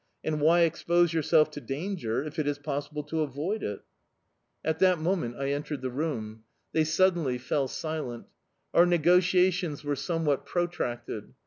And why expose yourself to danger if it is possible to avoid it?'... "At that moment I entered the room. They suddenly fell silent. Our negotiations were somewhat protracted.